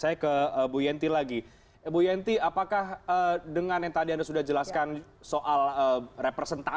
sebenarnya semua yang kukira wetenin ada ulasan lain tentang korupsinya